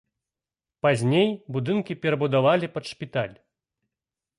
Пазней будынкі перабудавалі пад шпіталь.